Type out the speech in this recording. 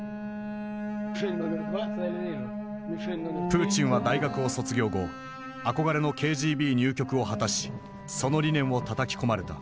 プーチンは大学を卒業後憧れのＫＧＢ入局を果たしその理念をたたき込まれた。